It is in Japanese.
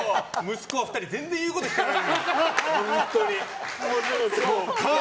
息子２人、全然言うこと聞かない。